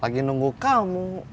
lagi nunggu kamu